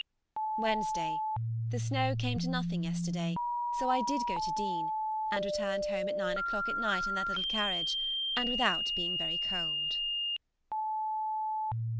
Wednesday. The snow came to nothing yesterday, so I did go to Deane, and returned home at nine o'clock at night in the little carriage, and without being very cold.